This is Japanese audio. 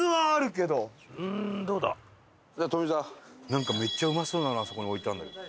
なんかめっちゃうまそうなのあそこに置いてあるんだけど。